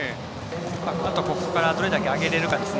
あとはここからどれだけ上げられるかですね。